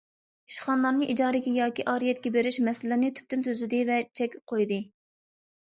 ئىشخانىلارنى ئىجارىگە ياكى ئارىيەتكە بېرىش مەسىلىلىرىنى تۈپتىن تۈزىدى ۋە چەك قويدى.